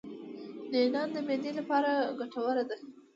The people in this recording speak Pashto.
نعناع د معدې لپاره ګټوره ده